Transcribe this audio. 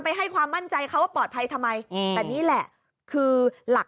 ในหน้าขดาดนั้นที่เราคิดก็คือ